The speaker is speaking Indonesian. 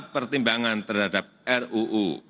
empat pertimbangan terhadap ruu